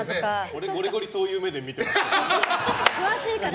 俺、ゴリゴリそういう目で見てますから。